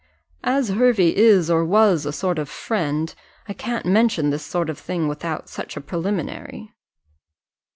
"As Hervey is or was a sort of a friend, I can't mention this sort of thing without such a preliminary."